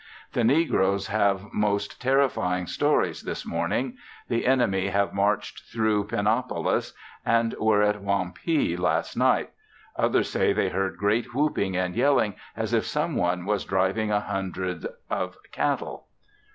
The negroes have most terrifying stories this morning; the enemy have marched through Pinopolis, and were at Wampee last night, others say they heard great whooping and yelling as if some one was driving a hundred of cattle.